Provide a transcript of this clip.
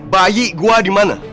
bayi gua dimana